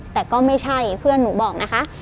แต่ก็ไม่ใช่เพื่อนหนูบอกนะคะ